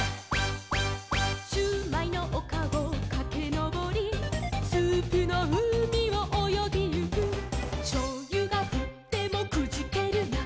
「しゅうまいのおかをかけのぼり」「スープのうみをおよぎゆく」「しょうゆがふってもくじけるな」